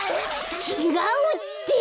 ちちがうって！